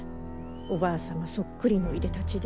おばあ様そっくりのいでたちで。